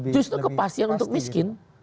justru kepastian untuk miskin